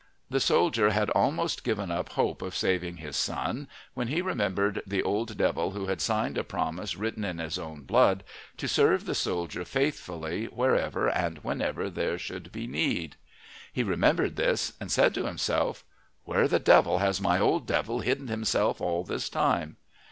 The soldier had almost given up hope of saving his son when he remembered the old devil who had signed a promise written in his own blood to serve the soldier faithfully wherever and whenever there should be need. He remembered this, and said to himself: "Where the devil has my old devil hidden himself all this time?"